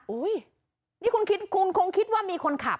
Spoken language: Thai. อุ้ยนี่คุณคิดว่ามีคนขับ